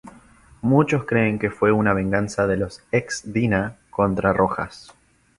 Muchos creen que fue una venganza de los ex Dina contra Rojas.